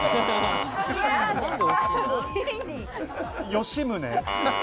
吉宗。